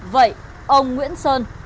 vậy ông nguyễn sơn